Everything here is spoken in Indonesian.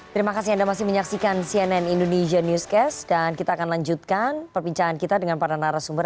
terima kasih anda masih menyaksikan cnn indonesia newscast dan kita akan lanjutkan perbincangan kita dengan para narasumber